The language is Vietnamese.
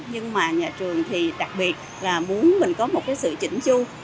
nhưng mà nhà trường thì đặc biệt là muốn mình có một cái sự chỉnh chu